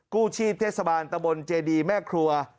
กู้ชีพเทศบาลตะบนเจดีแม่ครัว